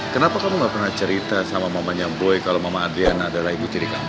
kenapa kamu gak pernah cerita sama mamanya broy kalau mama adriana adalah ibu tiri kamu